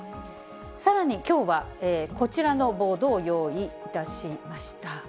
さらにきょうは、こちらのボードを用意いたしました。